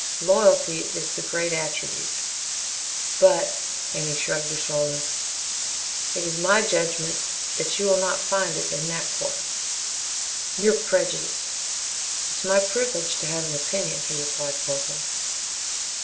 Loyalty is the great attribute but," and he shrugged a shoulder, "it is my judgment that you will not find it in that quarter." "You're prejudiced." "It is my privilege to have an opinion," he replied coldly.